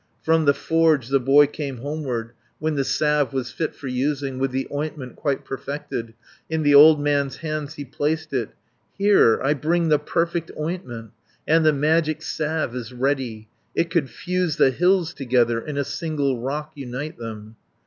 From the forge the boy came homeward, When the salve was fit for using, 490 With the ointment quite perfected, In the old man's hands he placed it. "Here I bring a perfect ointment, And the magic salve is ready. It could fuse the hills together, In a single rock unite them."